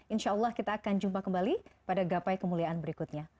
insya allah kita akan jumpa kembali pada gapai kemuliaan berikutnya